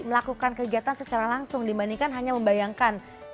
melakukan kegiatan secara langsung dibandingkan hanya membayangkan